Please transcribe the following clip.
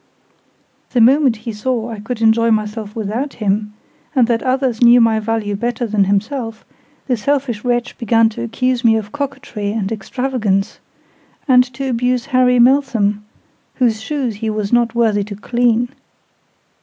The moment he saw I could enjoy myself without him, and that others knew my value better than himself, the selfish wretch began to accuse me of coquetry and extravagance; and to abuse Harry Meltham, whose shoes he was not worthy to clean.